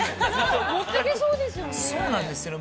◆持ってけそうですよね。